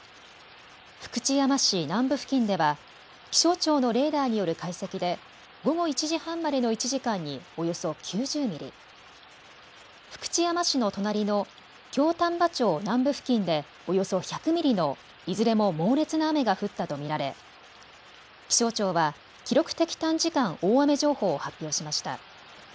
福知山市南部付近では気象庁のレーダーによる解析で午後１時半までの１時間におよそ９０ミリ、福知山市の隣の京丹波町南部付近でおよそ１００ミリのいずれも猛烈な雨が降ったと見られ気象庁は記録的短時間大雨情報を発表しました。